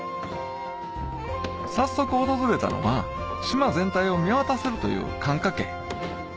早速訪れたのは島全体を見渡せるという寒霞渓